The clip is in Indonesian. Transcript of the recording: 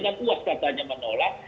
dan uas katanya menolak